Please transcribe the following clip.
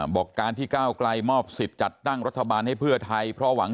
บอกการที่ก้าวไกลมอบสิทธิ์จัดตั้งรัฐบาลให้เพื่อไทยเพราะหวัง